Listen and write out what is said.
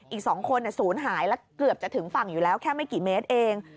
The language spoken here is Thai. อีก๒คนศูนย์หายแล้วเกือบจะถึงฝั่งอยู่แล้วแค่ไม่กี่เมตรเอง